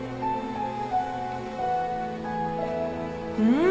うん！